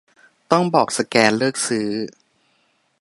บอกต้องสแกน เลิกซื้อ